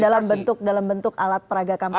artinya dalam bentuk alat peragat kampanye